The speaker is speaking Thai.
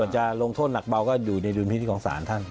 ส่วนจะลงโทษหนักเบาก็อยู่ในรุนพิธีของศาลท่าน